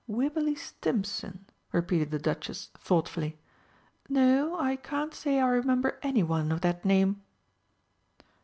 "Wibberley Stimpson?" repeated the Duchess thoughtfully. "No, I can't say I remember anyone of that name."